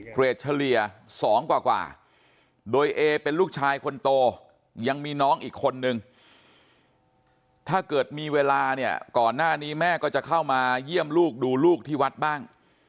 เกรดเฉลี่ย๒กว่าโดยเอเป็นลูกชายคนโตยังมีน้องอีกคนนึงถ้าเกิดมีเวลาเนี่ยก่อนหน้านี้แม่ก็จะเข้ามาเยี่ยมลูกดูลูกที่วัดบ้าง